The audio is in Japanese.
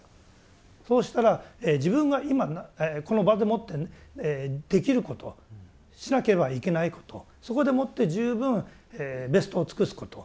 そうしたら自分が今この場でもってできることしなければいけないことそこでもって十分ベストを尽くすこと。